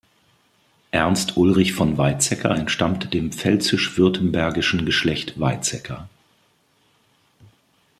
Ernst Ulrich von Weizsäcker entstammt dem pfälzisch-württembergischen Geschlecht Weizsäcker.